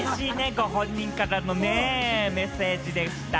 ご本人からのメッセージでした。